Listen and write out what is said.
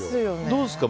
どうですか？